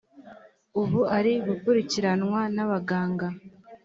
ubu ari gukurikiranwa n’abaganga